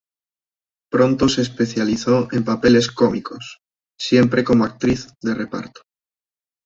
Pronto se especializó en papeles cómicos, siempre como actriz de reparto.